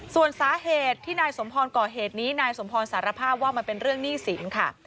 ส่วนสาเหตุที่นายสมพรก่อเหตุนี้นายสมพรสารภาพว่ามันเป็นเรื่องหนี้สินค่ะ